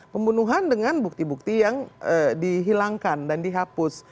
pembunuhan dengan bukti bukti yang dihilangkan dan dihapus